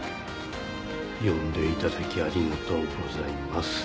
呼んでいただきありがとうございます。